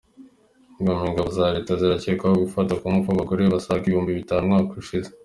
Goma Ingabo za Leta zirakekwaho gufata ku ngufu abagore basaga ibihumbi bitanu umwaka ushize